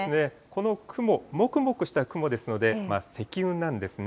この雲、もくもくした雲ですので、積雲なんですね。